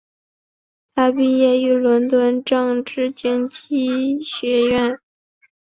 他毕业于伦敦政治经济学院。